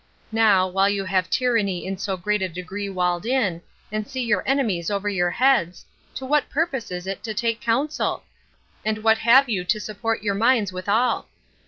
Now, while you have tyranny in so great a degree walled in, and see your enemies over your heads, to what purpose is it to take counsel? and what have you to support your minds withal?